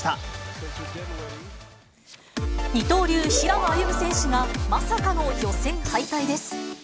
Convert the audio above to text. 二刀流、平野歩夢選手がまさかの予選敗退です。